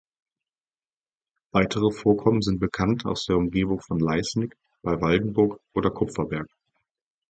Weitere Vorkommen sind bekannt aus der Umgebung von Leisnig, bei Waldenburg oder Kupferberg.